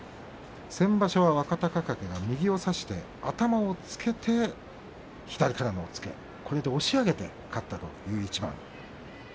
先場所、若隆景右を差して頭をつけて左からの押っつけ、押し上げて勝っています。